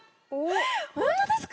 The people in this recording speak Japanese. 本当ですか？